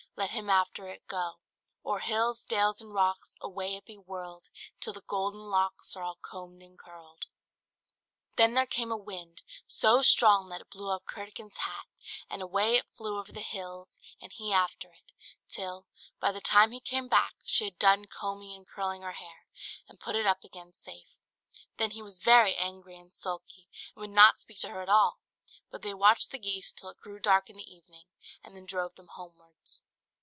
Let him after it go! O'er hills, dales, and rocks. Away be it whirl'd, Till the golden locks Are all comb'd and curl'd!" Then there came a wind, so strong that it blew off Curdken's hat, and away it flew over the hills, and he after it; till, by the time he came back, she had done combing and curling her hair, and put it up again safe. Then he was very angry and sulky, and would not speak to her at all; but they watched the geese until it grew dark in the evening, and then drove them homewards.